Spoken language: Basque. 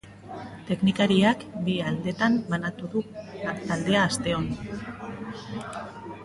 Teknikariak bi taldetan banatu du taldea asteon.